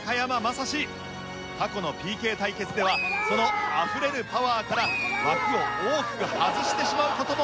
過去のＰＫ対決ではそのあふれるパワーから枠を大きく外してしまう事も。